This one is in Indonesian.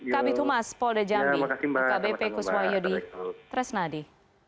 kb tumas paul dejambi kbp kusuma yudi tresnadi